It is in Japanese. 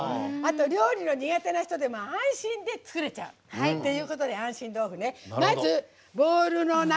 料理の苦手な人でも安心で作れちゃうということで「安心豆腐」ね。